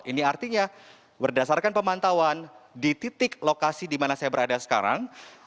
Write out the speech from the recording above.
ini artinya berdasarkan pemantauan di titik lokasi di mana saya berada sekarang